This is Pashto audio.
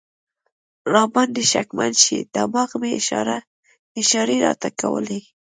را باندې شکمن شي، دماغ مې اشارې راته کولې.